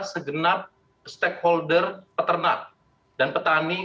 segenap stakeholder peternak dan petani